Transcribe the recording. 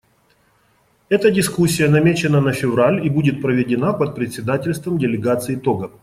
Эта дискуссия намечена на февраль и будет проведена под председательством делегации Того.